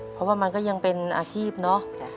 เพราะว่ามันก็ยังเป็นอาชีพเนอะ